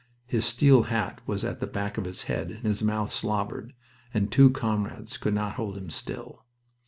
His steel hat was at the back of his head and his mouth slobbered, and two comrades could not hold him still.